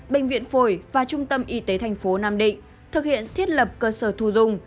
bệnh viện phổi và trung tâm y tế thành phố nam định thực hiện thiết lập cơ sở thu dung